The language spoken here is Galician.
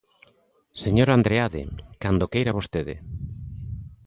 Señor Andreade, cando queira vostede.